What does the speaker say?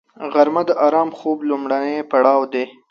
غرمه د آرام خوب لومړنی پړاو دی